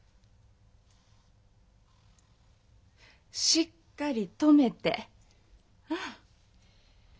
しっかり止めてうん。